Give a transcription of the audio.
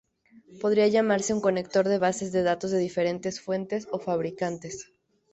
Podría llamarse un conector de bases de datos de diferentes fuentes o fabricantes.